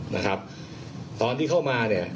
นะครับตอนที่เข้ามาเนี่ย